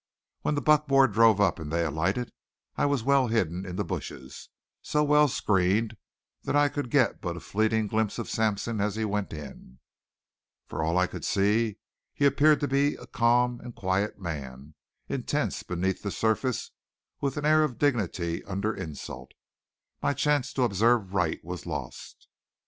When the buckboard drove up and they alighted I was well hidden in the bushes, so well screened that I could get but a fleeting glimpse of Sampson as he went in. For all I could see, he appeared to be a calm and quiet man, intense beneath the surface, with an air of dignity under insult. My chance to observe Wright was lost.